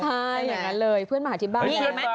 ใช่อย่างนั้นเลยเพื่อนมาหาที่บ้านใช่ไหม